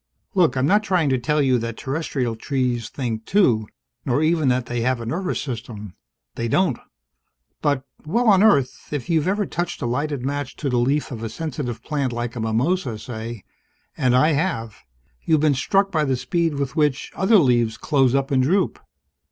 Look, I'm not trying to tell you that terrestrial trees think, too, nor even that they have a nervous system. They don't. But well, on Earth, if you've ever touched a lighted match to the leaf of a sensitive plant like the mimosa, say and I have you've been struck by the speed with which other leaves close up and droop.